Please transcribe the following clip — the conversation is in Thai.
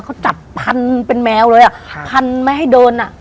เขาจับพันเป็นแมวเลยอะพันแม่ให้เดินอะ